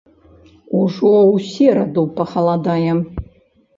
Ужо ў сераду пахаладае.